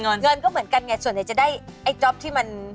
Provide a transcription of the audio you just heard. เงินเงินก็เหมือนกันไงส่วนใหญ่จะได้ไอ้จ๊อปที่มัน